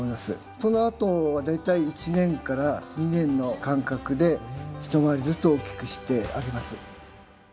そのあとは大体１年から２年の間隔で一回りずつ大きくしてあげます。